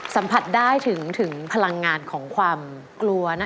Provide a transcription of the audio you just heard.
สัมผัสได้ถึงพลังงานของความกลัว